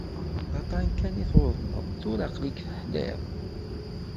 D aṭṭan kan i tuḍneḍ, tura aql-ik teḥliḍ.